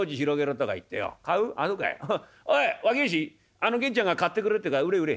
あの源ちゃんが買ってくれるっていうから売れ売れ」。